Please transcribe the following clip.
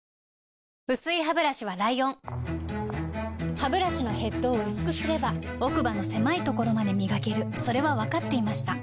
薄いハブラシはライオンハブラシのヘッドを薄くすれば奥歯の狭いところまで磨けるそれは分かっていました